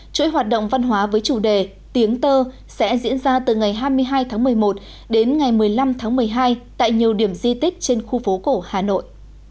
chuỗi hoạt động văn hóa với chủ đề tiếng tơ sẽ diễn ra từ ngày hai mươi hai tháng một mươi một đến ngày một mươi năm tháng một mươi hai tại nhiều điểm di tích trên khu phố cổ hà nội